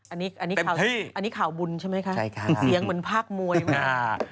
อันนี้ข่าวบุญใช่ไหมคะใช่ค่ะเสียงเหมือนภาคมวยมาก